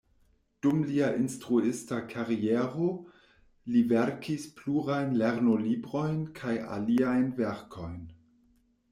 Dum lia instruista kariero li verkis plurajn lernolibrojn kaj aliajn verkojn.